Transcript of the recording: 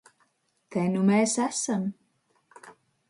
Te nu mēs esam.